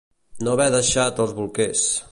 No haver deixat els bolquers.